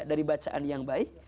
dari bacaan yang baik